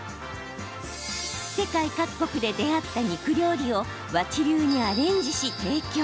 世界各国で出会った肉料理を和知流にアレンジし、提供。